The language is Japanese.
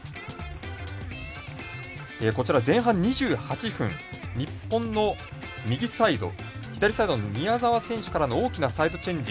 前半２８分日本の右サイド左サイドの宮澤選手からの大きなサイドチェンジ。